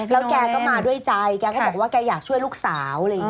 แล้วแกก็มาด้วยใจแกก็บอกว่าแกอยากช่วยลูกสาว